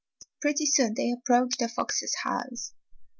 Pretty soon they approached the fox's house.